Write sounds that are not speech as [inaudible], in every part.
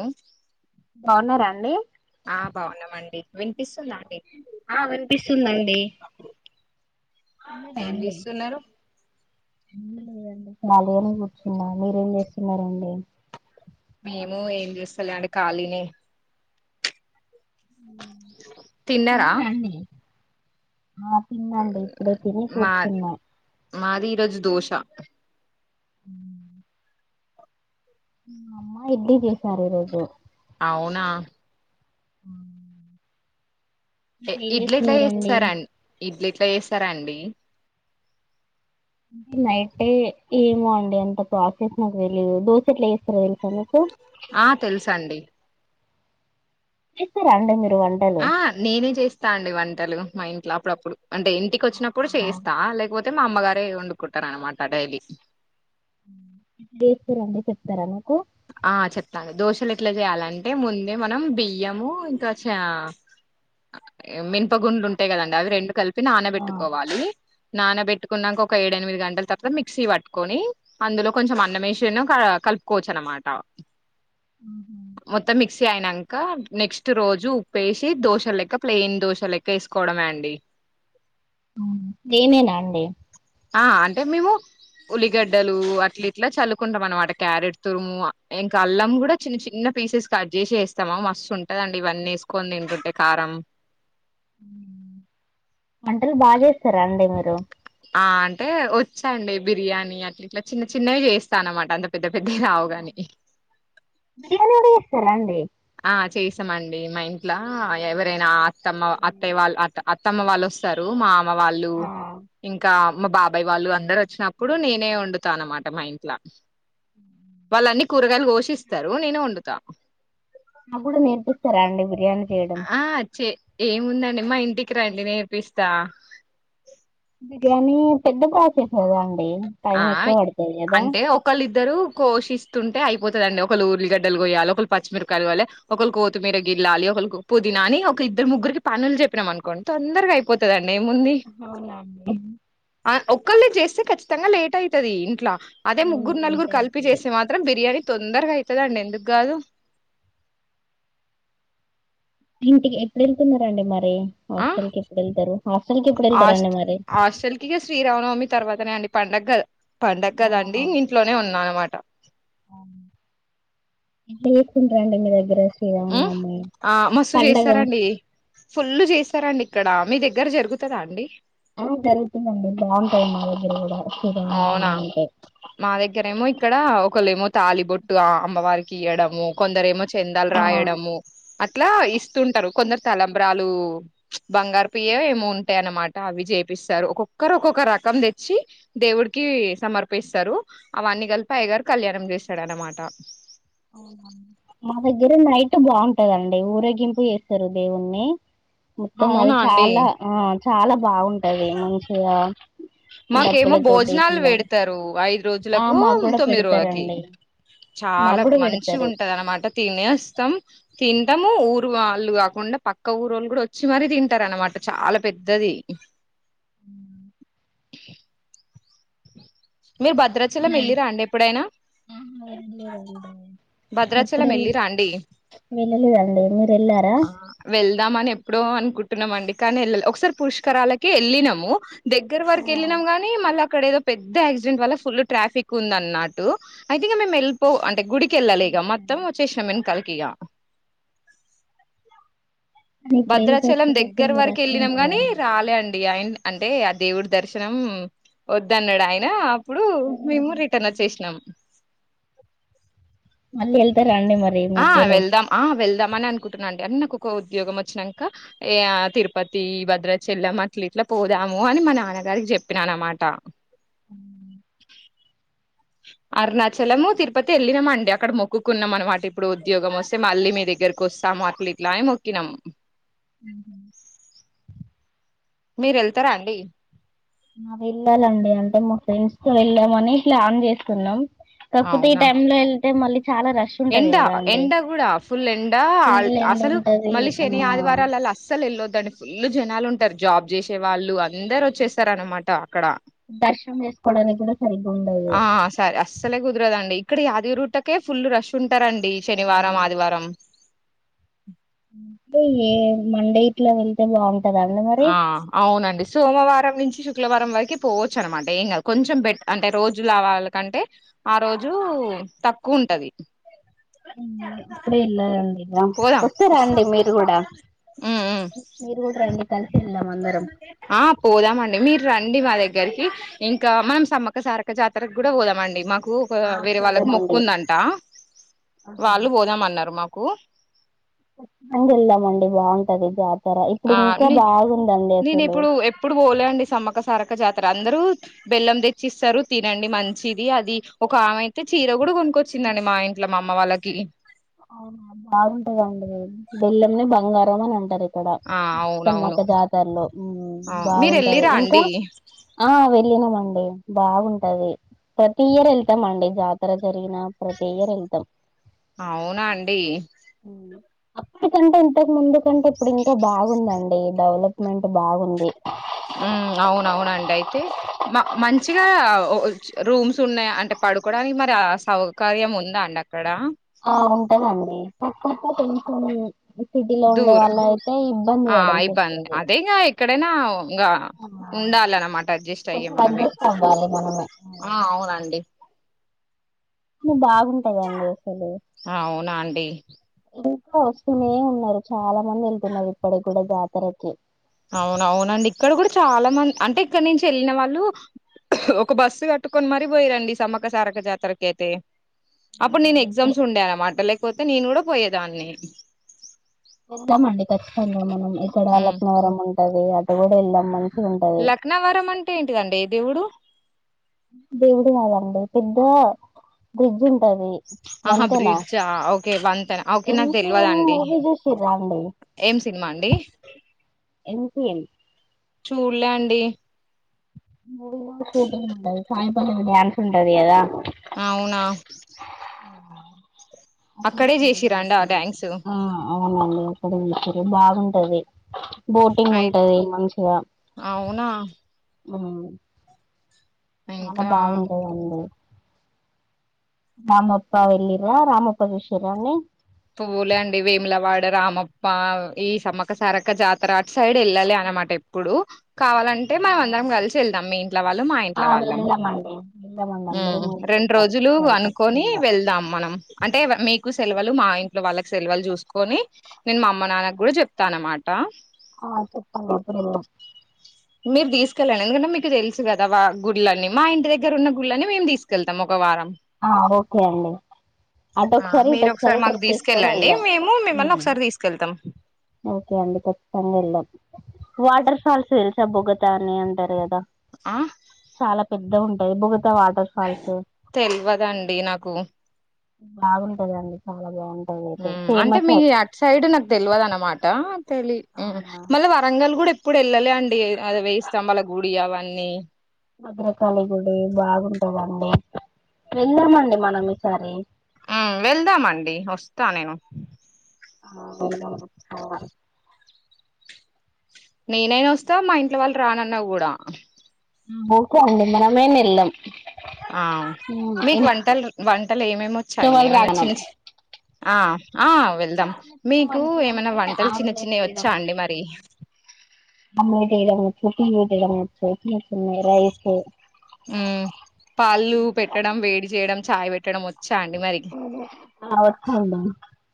ఆ బాగున్నారా అండి ఆ బాగున్నామండి వినిపిస్తుంది అండి ఆ వినిపిస్తుందండి ఏం చేస్తున్నారు లేదండి మాదేని కూర్చున్నా మీరేం చేస్తున్నారంండి మేము ఏం చేూస్తాలేండి ఖాళీని చిన్న తిన్నారా రడి ఆ తినండి ఇప్పుడే తిని కూర్చున్నా రజ్ దోష అ అమ్మ ఇడ్లీ సర రజు అవునా అ ఇడ్లీట్లా వస్త సార అండి ఇడ్లీట్ వసారా అండి నైట్ ఏ ఏమో అండి అంత ప్రసెస్ నాకు తెలీదు దోశ ఎట్లాస్త ఆ తెలుస అండి ఇ అండే మీ ఆ నేనే చేస్తా అండి వంట తెలుగు మా ఇంట్లో అప్పుడప్పుడు అంటే ఇంటికి వచ్చినప్పుడు చేయిస్తా లేకపోతే తే మా అమ్మగారే వండుకుూట్టరన మాటడైలీ చేస్తారండి చెప్తారా మీకు ఆ చెప్తాండి దోశలు ఎట్లా చేయాలంటే ముందే మనం బియ్యము ఇంకా చ మినుపగుండ్లు ఉంటాయి కదండి అవి రెండు కలిప్ పి ఆ నానబెట్టుకోవాలి నానబెట్టుకున్నాక ఒక ఏడేఎనిమిది గంటల తర్వాత మిక్సీ పట్టుకొని అందులో కొంచెం అన్నమేషను కలుపుకోవచ్చు అనమాట టా మొత్తం మిక్సీ అయినాక నెక్స్ట్ రోజు ఉప్పుేసి దోశ లెక్క ప్లెయిన్ దోశ లెక్క వేసుకోవడమే అండి నేనేనా అండి ఆ అంటే మేము ఉల్లిగడ్డలు అట్లా ఇట్లా చల్లువుకుంటాం అనమాట క్యారెట్ తురుము ఇంకా అల్లం కూడా చిన్న చిన్న పీసెస్ కట్ చేసి వేస్తాము మస్తు ఉంటదండి ఇవన్నీ వేసుకొని తింటుంటే కారం వంటలు బాగా జే స్తారా అండి మీరు ఆ అంటే వచ్చఅన్డి బిర్యానీ అట్ ఇట్లా చిన్న చిన్నవి చేస్తా అనమాట అంత పెద్ద దవీ రావుగానీ స్త ర అండి ఆ చేసామండి మా ఇంట్లో ఎవరైనా అ తమ్మ అత్తయ వాళ్ అట అత్తమ్మ వాళ్ళు వస్తారు మా అమ్ మ్మ వాళ్ళు ఆ ఇంకా మా బాబాయ్ వాళ్ళు అందరు వచ్చినప్పుడు నేనే వండుతా అనమాట మా ఇంట్లో వాళ్ళ అన్నీ కూరగాయలు గోషిస్తారు నేనే వండుతా. నా గుడా నేర్పిస్తారా అండి బిర్యానీ చేయడం అ అ చ్చే ఏముందండి మా ఇంటికి రండి నేర్పిస్తా బిర్యానీ పెద్ద ప్రా సెస్ కదా అండి టైం ఆ ఎక్కువ పడుతది కదా అంటే ఒకళ్ళిద్దరూ కోషిస్ తున్టే అపోతదండి ఒకల్ ఉల్లిగడ్డలు కోయాలే ఒకళ్ పచ్చిమిరకాయలు కోయాలే ఒకల్ కోతిమీర గిల్లాలి ఒకలో పుదీనాని ఒక ఇద్దరు ముగ్గురికి పనులు చెప్పినం అనుకోండి తోందరగా అయిపోతదఅండి ఏముంది అవునండి అ ఓ ఓకళ్ళు చేస్తే కచ్ తంగా లేట్ అయ్ తది ఇంట్లో అదే అవును ముగ్గురు నలుగురు లేట్ కలిపి అయితది జేసే మాత్రం బిర్యానీ తొందరగా అయ్తదండి ఎందుకు కాదు ఇంటికి ఎప్పుడు వెళ్తున్నారండి మరి డి ఆ హస్టల్ కెప్పుడేలతరు హస్టల్ కెప్పుడేల్తరండి హాస్ట్ మరి నే అండి పండగ ద్ పండగ కదండి ఇంట్లోనే ఉన్నా అనమాట్ టా ఎట్లచేసుకుంటారండీ మీ దగ్గర ఉమ్ శ్రీరామనవమి ఆ మస్తు పండగ చేస్తరండి, ఫుల్లు చేస్తరండి. ఇక్కడ మీ దగ్గర జరుగుతుదా అండి. ఆ జరుగుతదండి బాగుంటది మా దగ్గర కూడా అవునా శ్రీరామనవమి అంటే మా దగ్గరేమో ఇక్ ఇక్కడ ఒకలేమో తాళిబొట్టు అ అమ్మవారికి ఇయ్యాడము కొందరు ఏమో చెందాలు ఆ రాయడము అట్లా ఇస్తుంటరు కొందరు తలంబ్రాలు బంగారు పియ్య ఏమో ఉంటాయి అన్నమాట అవి చేపిస్తారు ఒక్కొక్కరు ఒకొక్క రకం తెచ్చి [inaudible] దేవుడికి సమర్పిస్తరు అవన్నీ కలిపి అయ్యగారు కళ్యాణం చేస్తాడునమాట అవునా మా దగ్గర నైట్ బాగుంటదండి ఊరేగింపు చేస్తారు దేవుణ్ణి మొత్తం అది అవునా అండి చాలా ఆ చాలా బాగుంటది మంచిగా మాకేమో డప్పులతోటి భోజనాలు ఇట్లా పెడతారు ఐదు ఆ రోజులకు మాకు కూడా తొమ్మిది రోజులకి పెడతారండి మాకు చాలా కూడా మంచిగ పెడతారు ఉంటది అనమాట తినే అస్తాం తిన్ ఇద్దము ఊరు వాళ్ళు కాకుండా పక్క ఊరోళ్ళు కూడా వచ్చి మరీ తింటరు అనమాట చాలా పెద్దది ఉమ్ [unintelligible] మీరు భద్రాచలం వెళ్ళి నైట్ రాండి ఎప్పుడైనా? ఆహా వెళ్ళలేదండి ఇప్పుడు భద్రాచలం వెళ్ వెళ్లి రాండి? వెళ్ళలేదండి మీరు వెళ్ళారా వెళ్దామ అని ఎప్పుడో అనుకుంట్ ఎల్లినమండి కానీ ఎల్లలే ఒకసారి పురుష్కరాలకి ఎళ్ళినము దగ్గర ఆ, వరకు వెళ్ళినం గానీ మళ్ళా అక్కడేదో పెద్ పెద్ద ఆక్సిడెంట్ వల్ల ఫుల్ ట్రాఫిక్ ఉంది అన్న అటు ఐతే ఇగ మే ఎళ్ళిపో అంటే గుడి వెళ్ళాలలే ఇగ మొత్తం వచ్చేషినం వెనకాల్ కియా కానీ ఇప్పుడు వెళ్తే భద్రాచలం అసలు దగ్గర ఫుల్ వరకు రష్ వెళ్ళినం గాని ఉంటదండి రాలే అండి అయి అంటే ఆ దేవుడి దర్శనం వద్దన్నాడు ఆయన ఇప్పుడు మేము రిటర్న్ వచ్చేసినాం మళ్ళీ ఎల్థరా.? ఆ వెళ్దాం ఆ వెళ్దాం అని అనుకుంటున్నా అండి అ నాకు ఒక ఉద్యోగం వచ్చినంక ఏ తిరుపతి, భద్రాచలం అట్ల ఇట్లా పోదాము అని మా నాన్నగారికి చెప్పినాన అనమాట ఉమ్ అరుణాచలము, తిరుపతి వెళ్ళినాము అండి అక్కడ మొక్కుకున్నాం అనమాట ఇప్పుడు ఉద్యోగం వస్తే మళ్ళీ మీ దగ్గరకు వస్తాము అట్లు ఇట్లా అని మొక్కినమ్ మీరు ఎళ్తారా అండి? ఆ వెళ్ళాలండి అంటే మా ఫ్రెండ్స్ తో వెళ్ళమని ప్లాన్ చేస్తున్నాం. కాకపోతే ఈ అవునా టైమ్ లో ఎల్ టె మళ్ళీ చాలా రష్ ఉంటది ఎండ కదా అండి ఎండ కూడా ఫుల్ ఎండ ఫుల్ ఎండ్ అల్-అసలు ఉంటది మళ్ళీ ఆ శని ఆదివారాలలా అస్సలు వెల్ళొద్ దండి ఫుల్లు జనాలు ఉంటారు జాబ్ చేసే వాళ్ళు అందరు వచ్చేస్తారన్నమాట అక్కడ దర్శనం చేసుకోవడానికి కూడా సరిగ్గా ఉండదు ఆ సరే అస్సలే కుదరదండి ఇక్కడ యాదగిరి గుట్టకే ఫుల్ రష్ ఉం ఉంటరండి ఆ, శనివారం ఆదివారం అంటే ఏ మండే ఇట్లా వెళ్తే బాగుం ఆ అవునండి సోమవారం నుంచి శుక్లవారం వరికి పోవచ్చు అనమాట ఏం కాదు కొంచెం బెట్ అంటే రోజుల వాళకంటే ఆ రోజు తక్కువ ఉంటది అప్పుడే ఇలా రండి ఇలా పోదాం వస్తే వస్తా రండి మీరు కూడా ఉమ్ ఉమ్ మీరు కూడా రండి కలి ఆ పోదామండి మీర్ రండి మా దగ్గరికి ఇంకా మనం సమ్మక్క సారక్క జాతరకు కూడా పోదాంమండి మాకు కు ఒక వేరే వాళ్ళకి వెళ్దామండి మోక్కు ఉందంట వాళ్ళు పోదామన్నారు మా కు అండి వెళ్దామండి బాగుంటది జాతర ఇప్పుడు ఆ ఇంకా బాగుందండి నె-నేను అసలు ఇప్పుడు ఎప్పుడు పోలేండి సమ్మక సారక్క జాత్ అందరు బెల్లం తెచ్చిస్తారు తినండి మంచిది అది ఒక ఆమె అయితే చీర కూడా కొనుక్కొచ్చిందండి మా ఇంట్లో మా అమ్మ వాళ్ళకి అవునా బాగుంటదండి బెల్లంని బంగారం అని అంటరు ఇక్కడ ఆ అవునవును సమ్మక్క జాతరలో ఉమ్ మీరు బాగుంటది వెళ్ళిరా ఇంకా అండి ఆ వెళ్లినం అండి బాగుంటది ప్రతి ఇయర్ ఎళ్తాం అండి జాతర జరిగినా ప్రతి ఇయర్ ఎళ్తాం అవునా అండి అత్తి కంటే ఇంతక ముందు కంటె ఇప్పుడు ఇంకా బాగుందండి డెవలప్ మెంట్ ఉమ్ అవునవునండి అయితే మ మంచిగా ఆ రూమ్స్ ఉన్నాయి అంటే పడుకోవడానికి మరి ఆ సౌకర్యం ఉందా అండి అక్ ఆ ఉంటదండి పక్కక్క తెల్సిందే దూరం ఆ పడాల్సి ఇబ్బంది వస్తుంది అదే గా ఎక్కడైనా ఇంగ ఉండాలన్నమాట అడ్జస్ట్ అయ్యి కొంచెం మనమే అడ్జస్ట్ అవ్వాలి మనమే ఆ అవునండి మ్ బాగుంటదండి అసలు ఆ, అవునా అండి ఇంకా వస్తూనే ఉన్నారు చాలా మంది ఎళ్తున్నారు ఇక్కడ కూడా జాతరకి అవునవునండి ఇక్కడ కూడా చాలా మం అంటే ఇక్కడ నుంచి వెళ్ళిన వాళ్ళు ఒక బస్సు కట్టుకొని మరీ పోయిరండి సమ్మక సారక్క జాతరకి అయితే అప్పుడు నేను అయితే ఎగ్జమ్స్ ఉండే అనమాట లెక్ పోతే నేను కూడా పోయేదాన్ని ఎంత మండి ఖచ్చితంగా మనం ఇక్కడ ఉమ్ లక్నవరం ఉంటది అటు పోతే ఇంకా మంచిగా ఉంటది లక్నవరం అంటే ఏంటిదండి ఏ దేవుడు దేవుడు కదండి పెద్ద బ్రిడ్జ్ ఉంటది ఆహా వంతెనా బ్రిడ్జా ఓకే వంతెన ఓకే నాకు ఎంసీఎం తెలియదుండి మూవీ చూసిర్రా అండి ఏం సినిమా అండి ఎంసీఎం చూడలే అండి మూూపర్ ఉంటది సాయపల్లి డ్యాన్స్ ఉంటది కదా అవునా అక్కడ అక్కడే షూటింగ్ చేసిరా అండి ఆ చేసిర్రు థ్యాంక్స్ ఆ అవునండి అక్కడే చేసిరు బాగుంటది బోటింగ్ అయి ఉంటది మంచిగా అవునా ఉ చాలా ఇంకా బాగుంటయండి రామప్ప వెళ్ళిరా రామప్ప చూసిరా అండి పువ్వులే అండి వేములవాడ రామప్ప ఈ సమ్మక సారక జాతర సైడ్ వెళ్ళాలే అనమాట ఎప్పుడు కావాలంటే మనం అందరం కలిసి వెళ్దాం మీ ఇంట్లో వాళ్ళు మా ఇంట్లో ఆ వాళ్ళం వెళ్ళామండి వెళ్దామండి ఉ అందరం కలిసి రెండు వెళ్దాం రోజులు ఈసారి అనుకొని ఖచ్చితంగా వెళ్దాం మనం అంటే మీకు సెలవలు మా ఇంట్లో వాళ్ళకు సెలవలు చూసు కొని నేను మా అమ్మ నాన్నకు కూడా చెప్తా అనమాట ఆ చెప్ప అ మీరు తీసుకెళ్ళండి ఎందుకంటే మీకు తెలుసు కదా వా గుళ్ళన్నీ మా ఇంటి దగ్గర ఉన్న గుళ్ళని మేము తీసుకెళ్తాం ఒక వారం ఆ ఓకే అండి ఆ అటుకసారి మీరు ఇటుొకసారి ఒకసారి మాకు ట్రిప్ వేసుకొని తీసుకెళ్ళండి వెళ్దాం మేము మిమ్మల్ని ఒకసారి తీసుకెళ్తాం ఓకే అండి ఖచ్చితంగా వెళ్ళాం వాటర్ ఫాల్స్ తెలుసా బొగతా అని అంటారు కదా ఆ చాలా పెద్ద ఉంటాయి బో తెలివదండి నాకు బాగుంటదండి చాలా బాగుంటా అంటే మీ అటు సైడ్ నాకు తెలియదు అన్నమాట తెలి అవునా మళ్ళ వరంగల్ కూడా ఎప్పుడు పిల్లలే అండి అది వేయిస్తంభాల గుడి అవన్నీ బద్రకాళి గుడి బాగుంటదండి వెళ్దామండి మనం ఈసారి మ్ వెళ్దామండి వస్తా నేను ఆ నేనే గస్తా మా ఇంట్లో వాళ్ళు రానన్నా కూడా [unintelligible] మనమయినా ఎల్లం ఆ మీకు వంటలు వన్ ట్టలు ఇంట్లో ఏమేమివచండి వాళ్ళు ఏమన్నా రాగనం చిన్న చిన్న ఆ ఆ వెల్ వెళ్దాం చిన్న మీకు వంటలు ఏమైనా అంటే వంటలు చిన్న ఆమ్లెట్ చిన్నవి వచ్చా అండి మరి [unintelligible] రాయేచ్చు ఉమ్ పాళ్ళు పెట్టడం వేడి చేయడం చాయ్ పెట్టడం వ [unintelligible]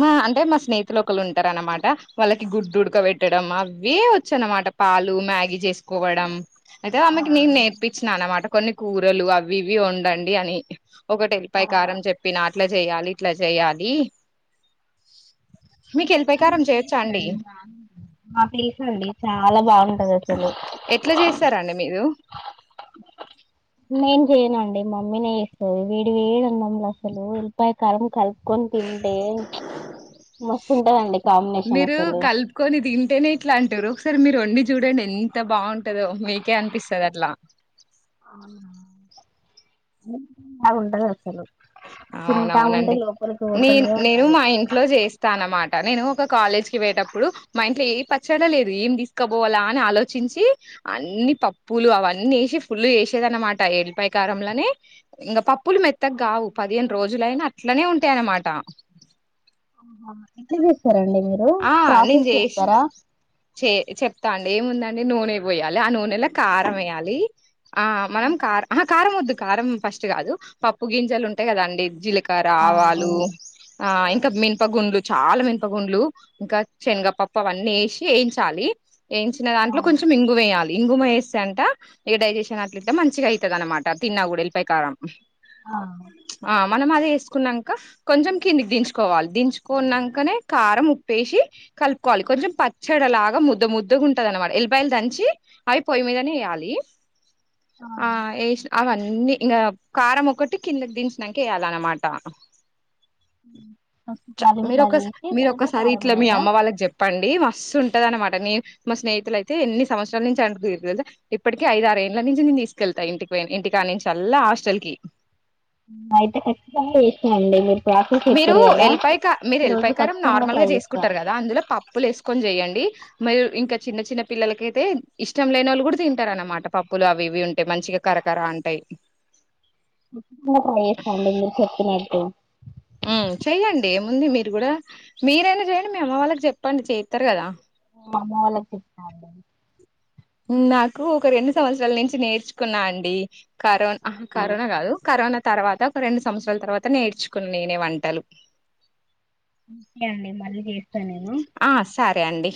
మా అంటే మా స్నేహితులు ఒకళ్ళు ఉంటార అనమాట వాళ్ళకి గుద్దుడాకబెట్టడం అవే వచ్చు అన్నమాట పాలు మ్యాగీ చేసుకోవడం అయితే ఆమ్మకి నేను నేర్పించినా అనమాట కొన్ని కూరలు అవి ఇవి వండండి అని ఒకటి ఎల్పయా కారం చెప్పిన అట్లా చేయాలి ఇట్లా చేయాలి మీకు ఎల్లిపాయ కారం చేయొచ్చా అండి మాకు తెలుసండి చాలా బాగు ఎట్లా చేస్తారండి మీరు నేను చెయనండి మమ్మీ నే చేస్తది వేడి వేడీ అన్నం అసలు ఉల్లిపాయ కారం కలుపుకొని తింటే మస్తుంటదండి కాంబినేషన్ అసలు వింటేనే ఇట్లా అంటురు ఒకసారి మీరు ఎన్ని చూడండి ఎంత బాగుంటందో మీకే అనిపిస్తుంది అట్లా బాగుంటదు అసలు తింటా ఉంటే అవునవునండి లోపలికి నే పోతనే నేను ఉంటది మా ఇంట్లో చేస్తాన అన్నమాట నేను ఒక కాలేజ్కి పోయేటప్పుడు మా ఇంట్లో ఏ పచ్చడా లేదు ఏం తీసుకపోవాలా అని ఆలోచించి అన్ని పప్పులు అవన్నీ వేసి ఫుల్ జేసేది అనమాట ఎలిపాయ కారంలోనే ఇంకా పప్పు ఉప్పులు మెత్తగావు రోజులైనా అట్లనే ఉంటాయన్నమాట హా ఎట్లా చేస్తారండి అవి ఆ నేను చే చె చెప్తా ఏముందండి నూనె పోయాలి ఆ నూనెలా కారం ఏయాలి ఆ మనం కార్ ఆ కార్ వద్దు. కారం ఫస్ట్ కాదు పప్పు గింజలు ఉంటాయి కదాండి జీలక ఆ రావాలు అవును ఆ ఇ ఇంకా మినప గుండ్లు చాలా మినప గుండ్లు ఇంకా శనగపప్ప అవన్నీ వేసి వేయించాలి ఏంచిన ఆ దాంట్లో కొంచెం ఇంగువ వేయాలి ఇంగుమ వేస్తే అంట ఏ డైజెషన్ అట్ల ఇట్లా మంచిగా అయితది అనమాట తిన్న కూడా ఎల్లిపాయ కారం ఆ! ఆమ్ మనం అది వేసుకున్నాక కొంచెం కిందికి దించుకోవాలి దించుకున్నాకనే కారం వేసి కలుపుకోవాలి కొంచెం పచ్చడిలాగా ముద్ద ముద్దగా ఉంటంది అన్నమాట ఎల్లిపాయలు దంచి అవి పొయ్యి మీదనే వేయాలి ఆ ఏష్ అవన్నీ ఇంగ కారం ఒక్కటి కిందకి దించినంక వేయాల అనమాట అడుగుతున్నారు ఏంటి తర్వాత సరే కారం ఇట్లా మీ వేయాలా అమ్మ వాళ్ళకి చెప్పండి మస్తు ఉంటద అనమాట నేను మా స్నేహితులు అయితే ఎన్ని సంవత్సరాల నుంచి అడుగుతురు తెలుసా ఇప్పటికి ఐద ఆరు ఏళ్ల నుంచి నేను తీసుకెళ్తా ఇంటికి ఇంటికి కానించి అల్లా హాస్టల్ కి అయితే ఖచ్చితంగా చేస్తా అండి మీరు ప్రాసెస్ మీరు చెప్పారు కదా ఎల్లపాయ క మీరు ఈ రోజు ఎల్పాయకారం ఖచ్చితంగా నార్మల్గా ట్రై చేస్తా చేసుకుంటారు కదా అందులో పప్పులు వేసుకొని చెయ్యడి మరియు ఇంకా చిన్న చిన్న పిల్లలకయితే ఇష్టం లేని వాళ్ళు కూడా తింటారు అన్నమాట పప్పులు అవి ఇవి ఉంటాయి మంచిగా కరకరా అంటాయి [unintelligible] నువ్వు చెప్పినట్టు ఉ చెయ్యండి ఏముంది మీరు కూడా మీరైనా చేయండి మీ అమ్మ వాళ్ళకి చెప్పండి చెత్తారు కదా అమ్మ వాళ్ళకి చెప్తా అండి నాకు ఒక రెండు సంవత్సరాల నుంచి నేర్చుకున్నా అండి కరోనా ఆ! కరోనా కాదు కరోనా తర్వాత ఒక రెండు సంవత్సరాల తర్వాత నేర్చుకున్నా నేనే వంటలు ఒకే అండి మళ్ళీ చేస్తా నేను ఒకే అండి